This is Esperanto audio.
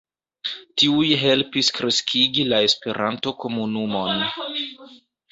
Tiuj helpis kreskigi la Esperanto-komunumon.